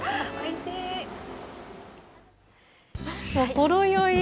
ほろ酔い。